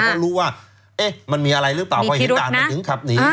เพราะรู้ว่ามันมีอะไรหรือเปล่าพอเห็นด่านมันถึงขับหนี